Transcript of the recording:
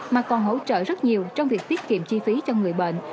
mà còn hỗ trợ rất nhiều trong việc tiết kiệm chi phí cho người bệnh